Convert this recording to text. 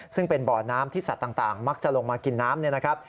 ซึ่งเป็นบ่อน้ำที่สัตว์ต่างมักจะลงมากินน้ำ